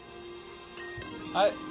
はい。